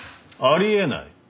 あり得ない？